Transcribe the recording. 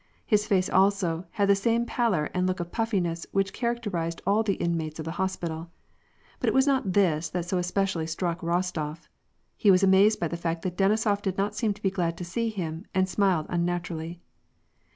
His face, also, had the same pallor and look of puffiness which charac terized all the inmates of the hospital. But it was not this that so especially struck Rostof : he was amazed by the fact that Denisof did not seem to be glad to see him, and smiled unnaturally.